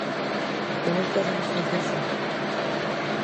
Temos próximas funcións xa?